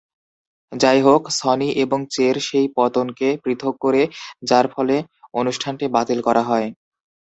যাইহোক, সনি এবং চের সেই পতনকে পৃথক করে, যার ফলে অনুষ্ঠানটি বাতিল করা হয়।